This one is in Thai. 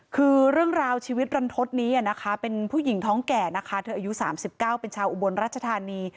คือเรื่องราวชีวิตรันทศนี้นะคะเป็นผู้หญิงท้องแก่นะคะเธออายุ๓๙เป็นชาวอุบลรัชธานี